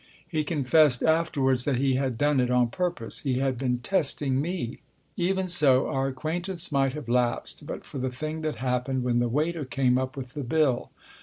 He confessed afterwards that he had done it on purpose. He had been testing me. Even so our acquaintance might have lapsed but for the thing that happened when the waiter came up with the bill.